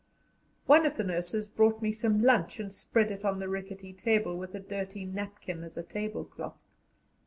One of the nurses brought me some lunch and spread it on the rickety table, with a dirty napkin as a tablecloth.